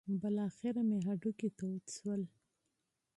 بالاخره مې هډوکي تود شول.